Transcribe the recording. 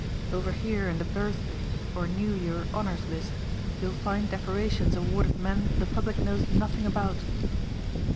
Over here in the Birthday or New Year honours list you'll find decorations awarded men the public knows nothing about.